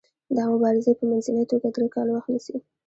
دا مبارزې په منځنۍ توګه درې کاله وخت نیسي.